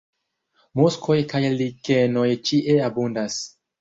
Muskoj kaj likenoj ĉie abundas.